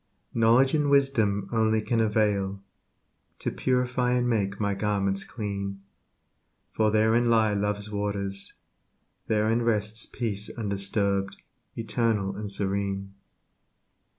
Knowledge and wisdom only can avail To purify and make my garment clean, For therein lie love's waters ; therein rests Peace undisturbed, eternal, and serene.